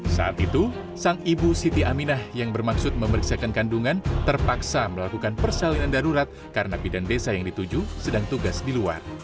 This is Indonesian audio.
saat itu sang ibu siti aminah yang bermaksud memeriksakan kandungan terpaksa melakukan persalinan darurat karena bidan desa yang dituju sedang tugas di luar